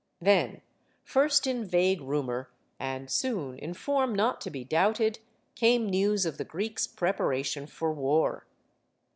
Then first in vague rumor, and soon in form not to be doubted came news of the Greeks* preparation for war.